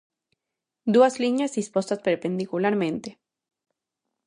Dúas liñas dispostas perpendicularmente.